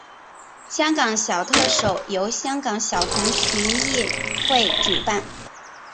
香港小特首由香港小童群益会主办。